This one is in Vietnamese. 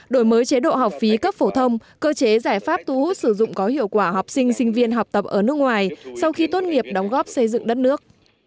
đổi mới chế độ học phí cấp phổ thông cơ chế giải pháp thu hút sử dụng có hiệu quả học sinh sinh viên học tập ở nước ngoài sau khi tốt nghiệp đóng góp xây dựng đất nước